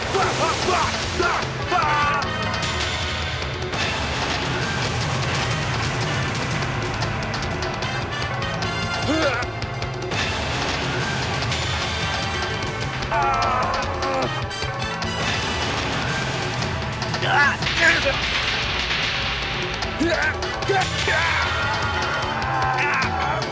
sekarang tidak ada lagi yang menyangiku